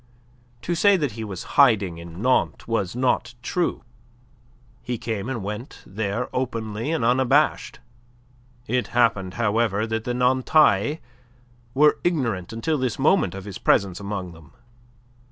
To say that he was hiding in Nantes was not true. He came and went there openly and unabashed. It happened, however, that the Nantais were ignorant until this moment of his presence among them.